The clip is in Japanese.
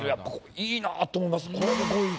いいなぁって思います。